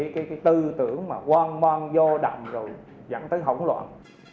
cái tư tưởng mà quang mong do đậm rồi dẫn tới hỗn loạn